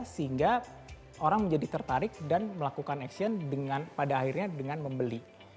sehingga orang menjadi tertarik dan melakukan action pada akhirnya dengan membeli